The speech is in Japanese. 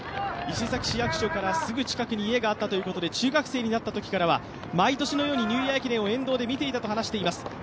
伊勢崎市役所からすぐに家があったということで中学生になったときからは毎年のようにニューイヤー駅伝を沿道で見ていたと話しています。